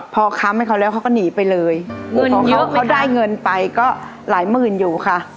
พอค้ำให้เขาแล้วเขาก็หนีไปเลยเงินเยอะเขาได้เงินไปก็หลายหมื่นอยู่ค่ะ